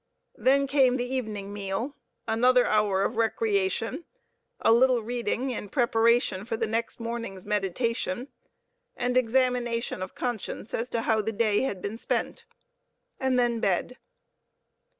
Then came the evening meal, another hour of recreation, a little reading in preparation for next morning's meditation, and examination of conscience as to how the day had been spent, and then bed.